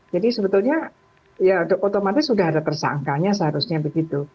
jadi sebetulnya ya otomatis sudah ada tersangkanya seharusnya begitu